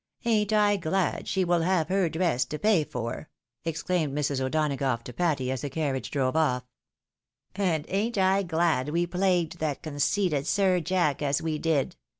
" Ain't I glad she will have her dress to pay for! " exclaimed Mrs. O'Donagough to Patty as the carriage drove off. " And ain't I glad we plagued that conceited Sir Jack as we did